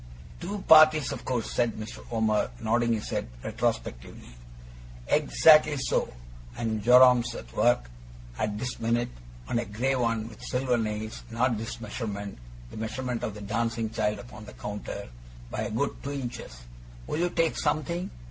'Two parties, of course!' said Mr. Omer, nodding his head retrospectively. 'Ex actly so! And Joram's at work, at this minute, on a grey one with silver nails, not this measurement' the measurement of the dancing child upon the counter 'by a good two inches. Will you take something?